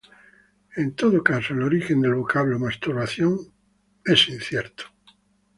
En todo caso, el origen del vocablo "masturbación" es incierto.